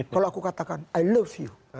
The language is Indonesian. kalau aku katakan i love you